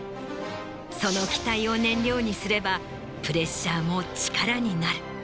その期待を燃料にすればプレッシャーも力になる。